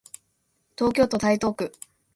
東京都台東区